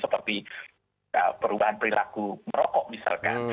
seperti perubahan perilaku merokok misalkan